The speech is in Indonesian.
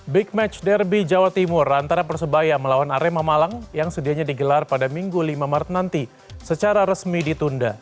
big match derby jawa timur antara persebaya melawan arema malang yang sedianya digelar pada minggu lima maret nanti secara resmi ditunda